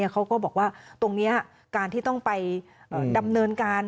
เขาก็บอกว่าตรงนี้การที่ต้องไปดำเนินการ